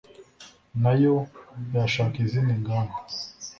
na yo yashaka izindi ngamba